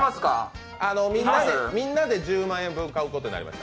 みんなで１０万円分買うことになりました。